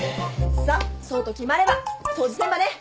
さっそうと決まれば掃除せんばね！